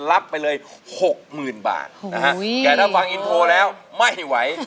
รับไปเลยหกหมื่นบาทนะฮะแต่ถ้าฟังอินโทรแล้วไม่ไหว